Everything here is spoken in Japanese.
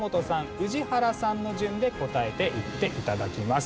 宇治原さんの順で答えていって頂きます。